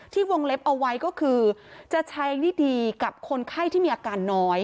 วงเล็บเอาไว้ก็คือจะใช้นี่ดีกับคนไข้ที่มีอาการน้อย